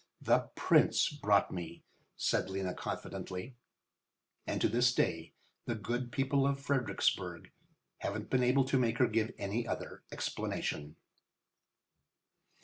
"The Prince brought me," said Lena, confidently. And to this day the good people of Fredericksburg haven't been able to make her give any other explanation.